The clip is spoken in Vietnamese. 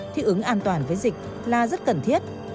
thích ứng an toàn với dịch là rất cần thiết